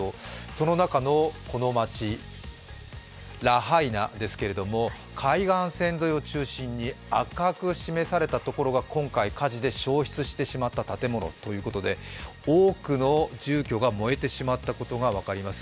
その中のこの町・ラハイナですけれども海岸線を中心に赤く示されたところが今回、火事で焼失してしまったという建物ということで多くの住居が燃えてしまったことが分かります